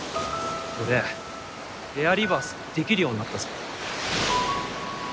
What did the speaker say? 俺エアーリバースできるようになったぞ